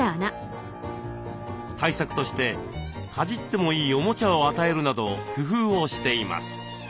対策としてかじってもいいおもちゃを与えるなど工夫をしています。